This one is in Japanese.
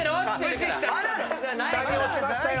下に落ちましたよ。